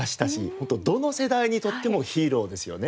本当どの世代にとってもヒーローですよね。